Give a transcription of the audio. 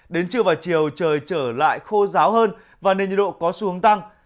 đến trưa và chiều trời trở lại khô ráo hơn và nền nhiệt độ có xu hướng tăng